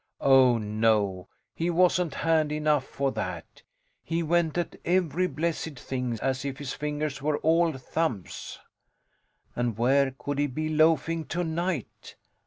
Oh, no, he wasn't handy enough for that; he went at every blessed thing as if his fingers were all thumbs. And where could he be loafing tonight?